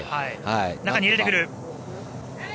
中に入れてくる。